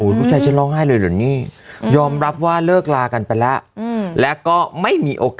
ลูกชายฉันร้องไห้เลยเหรอนี่